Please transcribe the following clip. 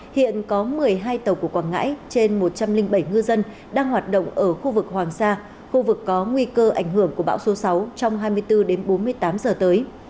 hiện có một mươi hai tàu của quảng ngãi trên một trăm linh bảy ngư dân đang hoạt động ở khu vực hoàng sa khu vực có nguy cơ ảnh hưởng của bão số sáu trong hai mươi bốn đến bốn mươi tám giờ tới